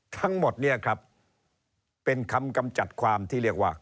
ทั้งหมดเนี่ยครับเป็นคำกำจัดความที่เรียกว่า